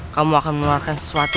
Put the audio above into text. kamu akan mengeluarkan sesuatu